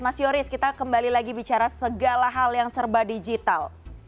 mas yoris kita kembali lagi bicara segala hal yang serba digital